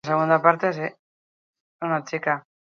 Hiru talde garrantzitsu daude sailkapen honetan.